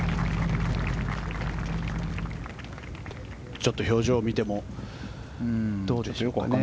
ちょっと表情を見てもどうでしょうかね。